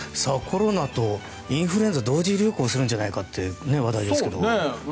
コロナとインフルエンザ同時流行するんじゃないかって話題ですけど。